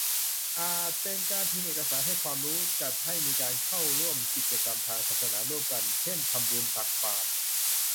อาจเป็นการพิมพ์เอกสารให้ความรู้ จัดให้มีการเข้าร่วมกิจกรรมทางศาสนาร่วมกัน เช่น ทำบุญตักบาตร